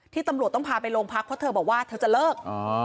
ตำรวจต้องพาไปโรงพักเพราะเธอบอกว่าเธอจะเลิก